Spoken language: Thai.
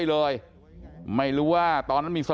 ครับพี่หนูเป็นช้างแต่งหน้านะ